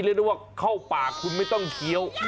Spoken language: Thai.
เรียกได้ว่าเข้าปากคุณไม่ต้องเคี้ยว